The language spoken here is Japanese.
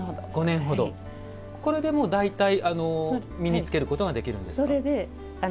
これでも大体身につけることができるんですか。